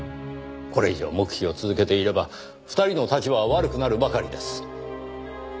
これ以上黙秘を続けていれば２人の立場は悪くなるばかりです。